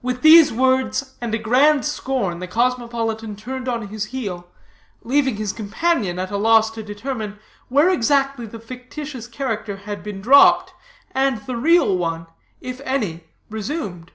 With these words and a grand scorn the cosmopolitan turned on his heel, leaving his companion at a loss to determine where exactly the fictitious character had been dropped, and the real one, if any, resumed.